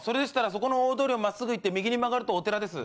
そこの大通りを真っすぐ行って右に曲がるとお寺です。